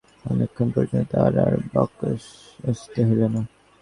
অনেকক্ষণ পর্যন্ত তাঁহার আর বাক্যস্ফূর্তি হইল না।